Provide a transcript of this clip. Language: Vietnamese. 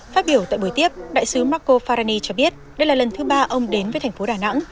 phát biểu tại buổi tiếp đại sứ marco farani cho biết đây là lần thứ ba ông đến với thành phố đà nẵng